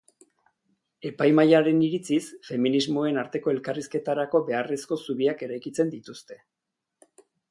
Epaimahaiaren iritziz, feminismoen arteko elkarrizketarako beharrezko zubiak eraikitzen dituzte.